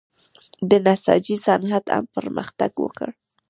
د نساجۍ صنعت هم پرمختګ وکړ.